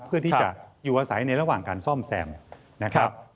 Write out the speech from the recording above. เพื่อที่จะอยู่อาศัยในระหว่างการซ่อมแซมนะครับ